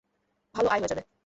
ভালো আয় হয়ে যাবে।